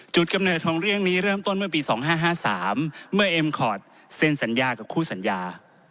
กำเนิดของเรื่องนี้เริ่มต้นเมื่อปี๒๕๕๓เมื่อเอ็มคอร์ดเซ็นสัญญากับคู่สัญญา